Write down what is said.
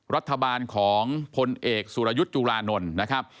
รัฐบาลของพลเอกสุรยุทธ์จุรานนท์นะครับ